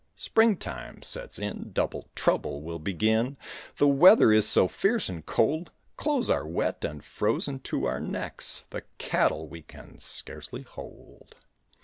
Spring time sets in, double trouble will begin, The weather is so fierce and cold; Clothes are wet and frozen to our necks, The cattle we can scarcely hold.